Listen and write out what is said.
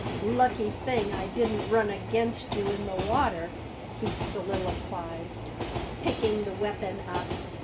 "Lucky thing I didn't run against you in the water," he soliloquised, picking the weapon up.